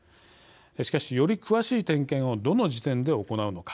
しかし、より詳しい点検をどの時点で行うのか。